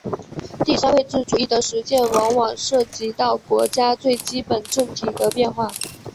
第三位置主义的实践往往涉及到国家最基本政体的变化。